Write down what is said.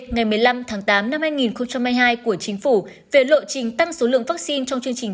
ngày một mươi năm tháng tám năm hai nghìn hai mươi hai của chính phủ về lộ trình tăng số lượng vaccine trong chương trình